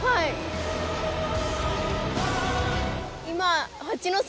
今